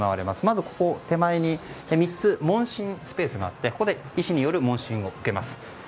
まず手前に３つの問診スペースがあってここで医師による問診を受けます。